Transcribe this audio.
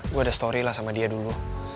gue ada story lah sama dia dulu